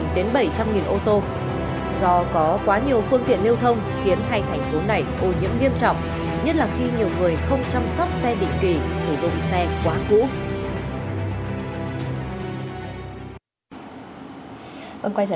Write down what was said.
sáu trăm linh đến bảy trăm linh ô tô